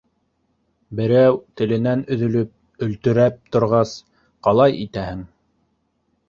Берәү теленән өҙөлөп, өлтөрәп торғас, ҡалай итәһең...